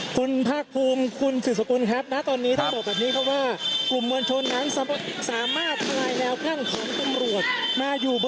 คุณผูลิภัทรครับ